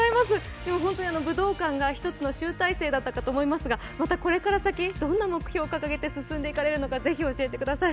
でも本当に武道館が一つの集大成だったと思いますが、またこれから先、どんな目標を掲げて進んでいかれるのか教えてください。